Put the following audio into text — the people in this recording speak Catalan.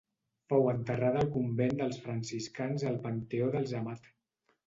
Fou enterrada al convent dels franciscans al panteó dels Amat.